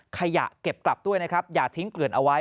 ขยะเก็บกลับด้วยนะครับอย่าทิ้งเกลื่อนเอาไว้